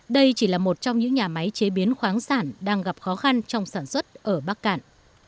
đây chỉ là một trong những nhà máy chế biến khoáng sản đang gặp khó khăn trong sản xuất ở bắc cạn